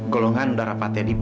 golongan darah patia di b